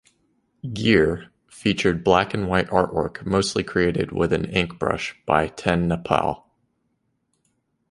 "Gear" featured black-and-white artwork mostly created with an ink brush by TenNapel.